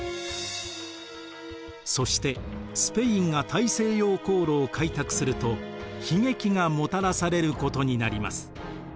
そしてスペインが大西洋航路を開拓すると悲劇がもたらされることになります。